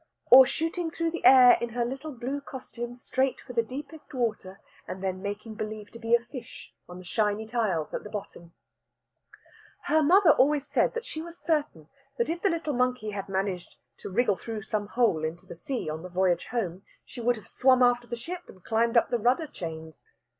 Or shooting through the air in her little blue costume straight for the deepest water, and then making believe to be a fish on the shiny tiles at the bottom. Her mother always said she was certain that if that little monkey had managed to wriggle through some hole into the sea, on her voyage home, she would have swum after the ship and climbed up the rudder chains.